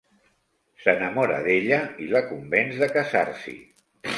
S’enamora d'ella i la convenç de casar-s’hi.